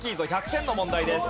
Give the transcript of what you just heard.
１００点の問題です。